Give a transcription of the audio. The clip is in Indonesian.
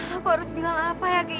aku harus bilang apa ya ke ibu